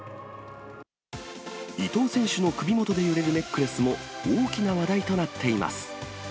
伊藤選手の首もとで揺れるネックレスも、大きな話題となっています。